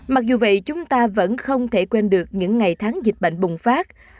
mặc dù vậy chúng ta vẫn không thể quên được những ngày tháng dịch bệnh bùng phát